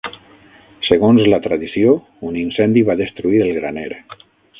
Segons la tradició, un incendi va destruir el graner.